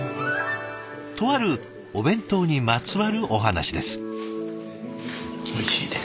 とあるお弁当にまつわるお話です。